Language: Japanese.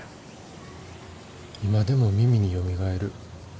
今でも耳によみがえる。